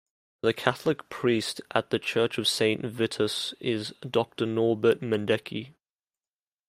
The Catholic priest at the church of Saint Vitus is Doctor Norbert Mendecki.